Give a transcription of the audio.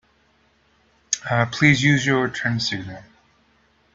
Please use your turn signal.